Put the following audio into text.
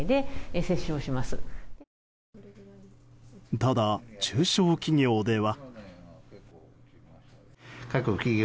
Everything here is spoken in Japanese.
ただ、中小企業では。